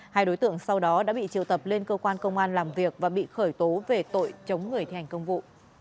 hai đối tượng sau đó đã bị triều tập lên cơ quan công an làm việc và bị khởi tố về tội chống người thi hành công vụ